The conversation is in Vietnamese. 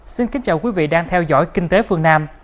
xin kính chào quý vị đang theo dõi kinh tế phương nam